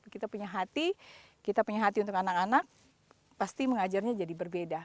kita punya hati kita punya hati untuk anak anak pasti mengajarnya jadi berbeda